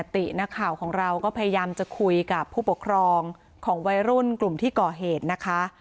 ตินักข่าวของเราก็พยายามจะคุยกับผู้ปกครองของวัยรุ่นกลุ่มที่ก่อเหตุนะคะ